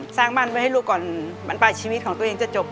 สร้างบ้านไว้ให้ลูกก่อนบรรปลายชีวิตของตัวเองจะจบ